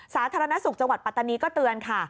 สาธารณสุขจังหวัดปัตตานีก็เตือนค่ะ